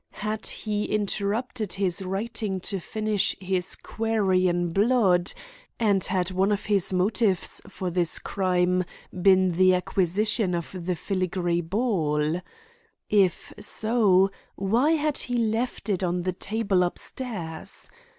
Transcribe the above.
Had he interrupted his writing to finish his query in blood, and had one of his motives for this crime been the acquisition of this filigree ball? If so, why had he left it on the table upstairs?